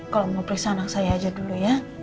kalau mau periksa anak saya aja dulu ya